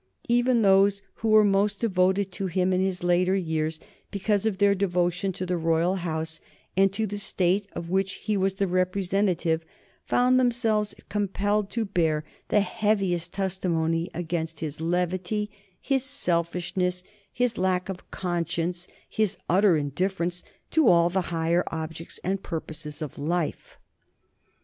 Even those who were most devoted to him in his later years, because of their devotion to the royal house and to the State of which he was the representative, found themselves compelled to bear the heaviest testimony against his levity, his selfishness, his lack of conscience, his utter indifference to all the higher objects and purposes of life.